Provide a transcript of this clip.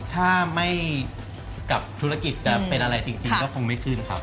ถ้าไม่กับธุรกิจจะเป็นอะไรจริงก็คงไม่ขึ้นครับ